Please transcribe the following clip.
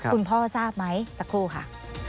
คุณพ่อทราบไหมสักครู่ค่ะ